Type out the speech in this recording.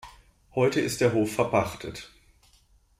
Heute ist der Hof verpachtet.